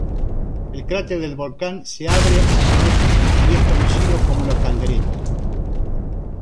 El cráter del volcán se abre al Noreste, y es conocido como La Caldereta.